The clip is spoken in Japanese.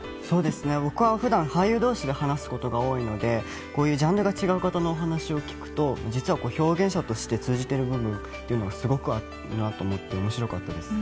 僕は普段俳優同士で話すことが多いのでこういうジャンルが違う方のお話を聞くと表現者として通じている部分がすごくあるなと思って面白かったです。